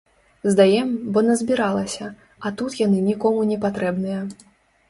Здаем, бо назбіралася, а тут яны нікому непатрэбныя.